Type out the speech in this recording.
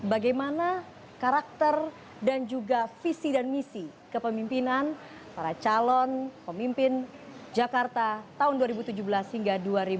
bagaimana karakter dan juga visi dan misi kepemimpinan para calon pemimpin jakarta tahun dua ribu tujuh belas hingga dua ribu dua puluh